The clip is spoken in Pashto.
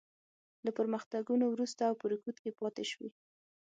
له پرمختګونو وروسته او په رکود کې پاتې شوې.